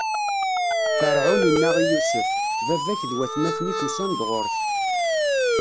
Ferɛun inna i Yusef: Baba-k d watmaten-ik usan-d ɣur-k.